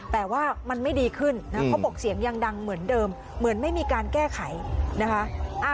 แต่ว่ามันไม่ดีขึ้นนะเขาบอกเสียงยังดังเหมือนเดิมเหมือนไม่มีการแก้ไขนะคะ